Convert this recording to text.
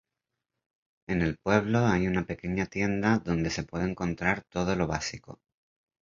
En el pueblo hay una pequeña tienda donde se puede encontrar todo lo básico.